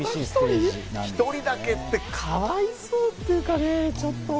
１人だけってかわいそうっていうかね、ちょっと。